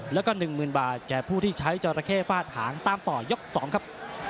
แล้วก็๑๐๐๐บาทแก่ผู้ที่ใช้จอราเข้ฟาดหางตามต่อยก๒ครับ